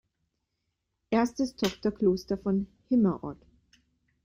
Erstes Tochterkloster von Himmerod.